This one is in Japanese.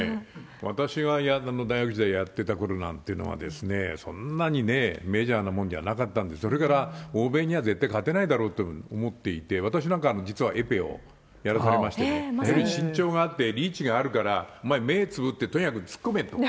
私が大学時代やってたころなんてのは、そんなにね、メジャーなものではなかったんで、それから欧米には絶対勝てないだろうと思っていて、私なんか実はエペをやらされましてね、身長があってリーチがあるから、お前、目つむってとにかく突っ込めと。